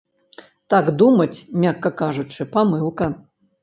Так думаць, мякка кажучы, памылка.